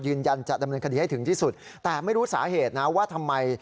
ยืนยันจะดำเนินคดีให้ถึงที่สุดแต่ไม่รู้สาเหตุนะว่าทำไม